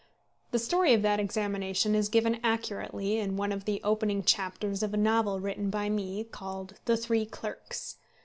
The story of that examination is given accurately in one of the opening chapters of a novel written by me, called The Three Clerks.